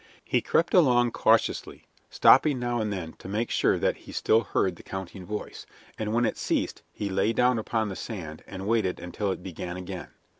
He crept along cautiously, stopping now and then to make sure that he still heard the counting voice, and when it ceased he lay down upon the sand and waited until it began again.